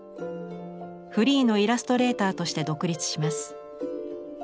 フリーのイラストレーターとして独立します。